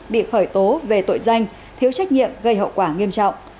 bị khởi tố về tội danh thiếu trách nhiệm gây hậu quả nghiêm trọng